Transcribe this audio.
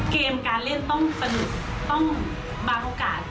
เกมการเล่นต้องสนุกต้องบางโอกาส